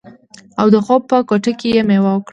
او د خوب په کوټه کې یې میوه وکړه